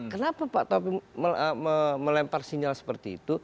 kenapa pak taufik melempar sinyal seperti itu